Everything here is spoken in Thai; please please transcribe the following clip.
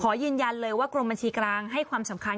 ยืนยันเลยว่ากรมบัญชีกลางให้ความสำคัญ